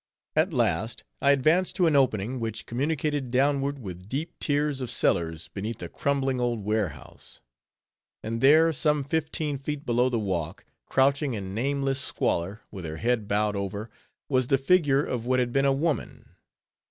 At last I advanced to an opening which communicated downward with deep tiers of cellars beneath a crumbling old warehouse; and there, some fifteen feet below the walk, crouching in nameless squalor, with her head bowed over, was the figure of what had been a woman.